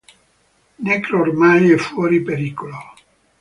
Necro ormai è fuori pericolo.